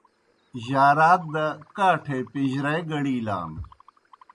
جارات دہ کاٹھے پِن٘جرائے گڑیلان۔